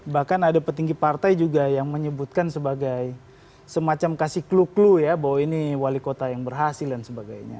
bahkan ada petinggi partai juga yang menyebutkan sebagai semacam kasih clue clue ya bahwa ini wali kota yang berhasil dan sebagainya